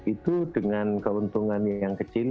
itu dengan keuntungan yang kecil